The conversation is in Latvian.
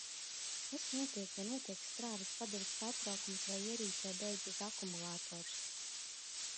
Kas notiek, ja notiek strāvas padeves pārtraukums vai ierīcē beidzas akumulators?